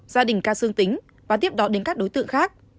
gia đình ca xương tính và tiếp đó đến các đối tượng khác